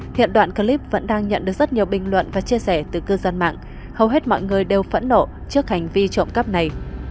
hiện đoạn clip vẫn đang nhận được rất nhiều bình luận và chia sẻ từ cư dân mạng hầu hết mọi người đều phẫn nộ trước hành vi trộm cắp này